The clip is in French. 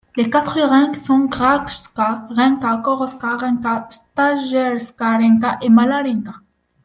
Les quatre Rinke sont Kranjska Rinka, Koroška Rinka, Štajerska Rinka et Mala Rinka.